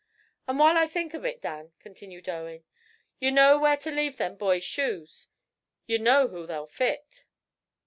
"And, while I think of it, Dan," continued Owen, "ye know where to leave them boys' shoes. Ye know who they'll fit."